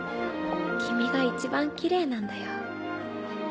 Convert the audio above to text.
君が一番キレイなんだよ。